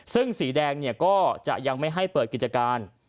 ซึ่งสีแดงก็จะยังไม่ให้เปิดกิจการ